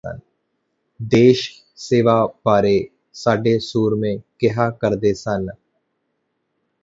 ਦੇਸ਼ ਸੇਵਾ ਬਾਰੇ ਸਾਡੇ ਸੂਰਮੇ ਕਿਹਾ ਕਰਦੇ ਸਨ